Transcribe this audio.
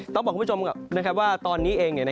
ต้องบอกคุณผู้ชมก่อนว่าตอนนี้เอง